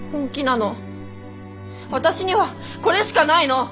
私にはこれしかないの。